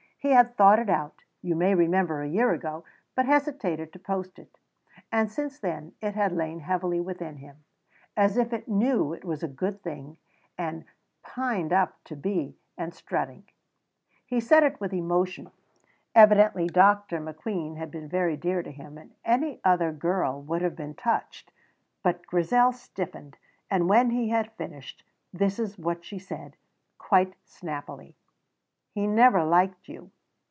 He had thought it out, you may remember, a year ago, but hesitated to post it; and since then it had lain heavily within him, as if it knew it was a good thing and pined to be up and strutting. He said it with emotion; evidently Dr. McQueen had been very dear to him, and any other girl would have been touched; but Grizel stiffened, and when he had finished, this is what she said, quite snappily: "He never liked you."